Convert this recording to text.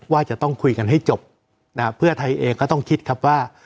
ว่าจะต้องคุยกันให้จบนะฮะเพื่อไทยเองก็ต้องคิดครับว่า